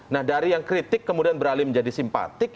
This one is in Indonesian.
nah dari yang kritik kemudian beralih menjadi simpatik